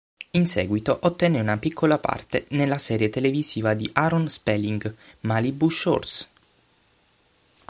In seguito ottenne una piccola parte nella serie televisiva di Aaron Spelling "Malibu Shores".